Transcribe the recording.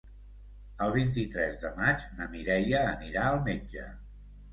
El vint-i-tres de maig na Mireia anirà al metge.